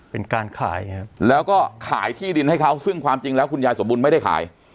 เป็นการขายครับแล้วก็ขายที่ดินให้เขาซึ่งความจริงแล้วคุณยายสมบูรณ์ไม่ได้ขาย